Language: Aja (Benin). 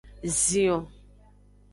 Zion.